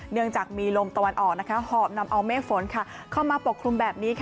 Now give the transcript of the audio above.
เนื่องจากมีลมตะวันออกหอบนำเอาเมฆฝนเข้ามาปกคลุมแบบนี้